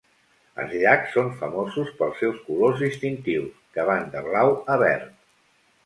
Els llacs són famosos pels seus colors distintius, que van de blau a verd.